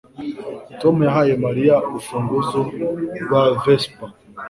Tom yahaye Mariya urufunguzo rwa Vespa